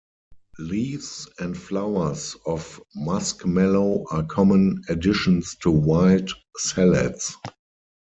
Leaves and flowers of muskmallow are common additions to "wild" salads.